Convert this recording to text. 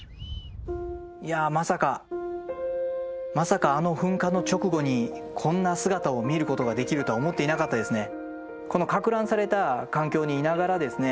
いやまさかまさかあの噴火の直後にこんな姿を見ることができるとは思っていなかったですね。